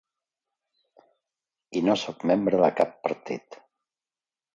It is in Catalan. I no sóc membre de cap partit.